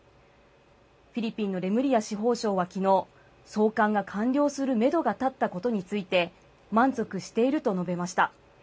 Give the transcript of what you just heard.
フィリピンのレムリア司法相はきのう、送還が完了するメドが立ったことについて、満足していると述べました。